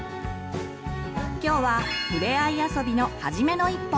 今日はふれあい遊びのはじめの一歩。